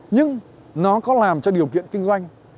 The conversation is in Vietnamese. nhưng nó có làm cho điều kiện kinh doanh